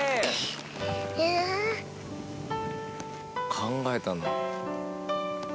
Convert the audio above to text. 考えたな。